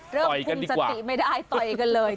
คุมสติไม่ได้ต่อยกันเลย